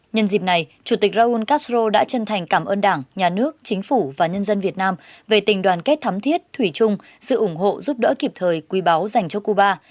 nhân dịp này chủ tịch raúl castro đã chân thành cảm ơn đảng nhà nước chính phủ và nhân dân việt nam về tình đoàn kết thắm thiết thủy chung sự ủng hộ giúp đỡ kịp thời quý báo dành cho cuba